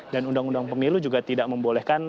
dan undang undang pemilu juga tidak membolehkan